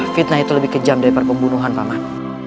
fitnah itu lebih kejam dari perpembunuhan paman